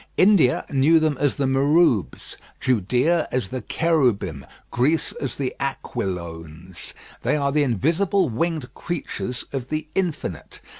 India knew them as the Maroubs, Judea as the Keroubim, Greece as the Aquilones. They are the invisible winged creatures of the Infinite.